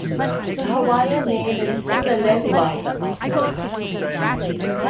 The Hawaiian name is pulelehua.